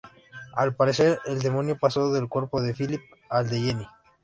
Al parecer el demonio pasó del cuerpo de Phillip al de Jenny.